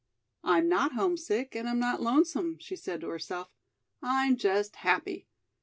"I'm not homesick and I'm not lonesome," she said to herself. "I'm just happy.